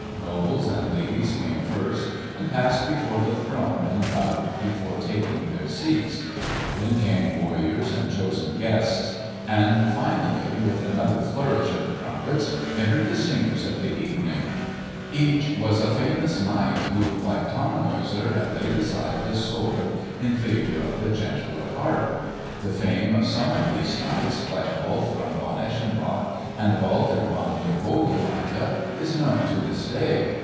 Nobles and ladies came first and passed before the throne and bowed before taking their seats. Then came warriors and chosen guests. And finally with another flourish of the trumpets entered the singers of the evening. Each was a famous knight who like Tannhäuser had laid aside the sword in favour of the gentler harp. The fame of some of these knights, like Wolfram von Eschenbach and Walter von der Vogelweide, is known to this day.